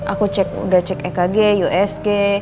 aku udah cek ekg usg